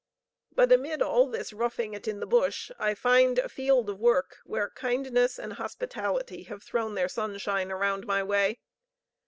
But amid all this roughing it in the bush, I find a field of work where kindness and hospitality have thrown their sunshine around my way.